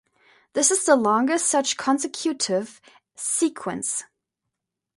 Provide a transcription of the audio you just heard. This is the longest such consecutive sequence.